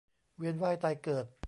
เวียนว่ายตายเกิด